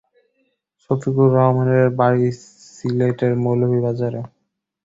শফিকুর রহমানের বাড়ি সিলেটের মৌলভীবাজারে।